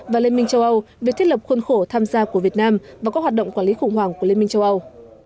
và liên minh châu âu về thiết lập khuôn khổ tham gia của việt nam vào các hoạt động quản lý khủng hoảng của liên minh châu âu